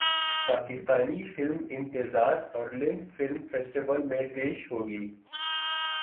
پاکستانی فلم انتظار Harlem film festival میں پیش ہوگی